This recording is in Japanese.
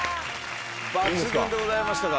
抜群でございましたか。